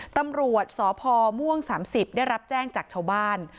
ตำรวจสพม่วง๓๐ได้รับแจ้งจากชาวบ้าน